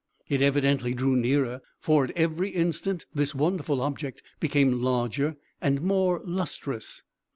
It evidently drew nearer; for, at every instant, this wonderful object became larger and more lustrous.